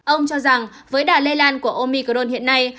ông cho rằng với đà lây lan của omicron hiện nay